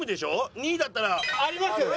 ２位だったら。ありますよね？